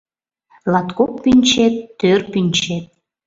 Латкок пӱнчет, тӧр пӱнчет —